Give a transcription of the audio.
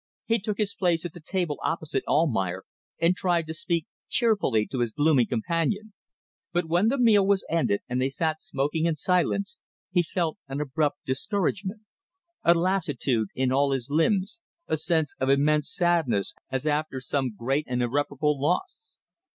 He took his place at the table opposite Almayer and tried to speak cheerfully to his gloomy companion, but when the meal was ended and they sat smoking in silence he felt an abrupt discouragement, a lassitude in all his limbs, a sense of immense sadness as after some great and irreparable loss.